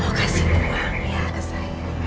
mau kasih uang ya ke saya